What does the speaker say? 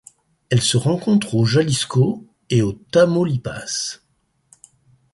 Elle se rencontre au Jalisco et au Tamaulipas.